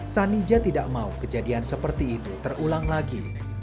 sanija tidak mau kejadian seperti itu terulang lagi